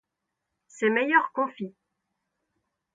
C'est meilleur confit.